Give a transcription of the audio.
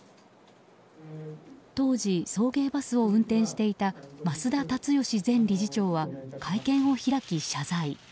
当時送迎バスを運転していた増田立義前理事長は会見を開き、謝罪。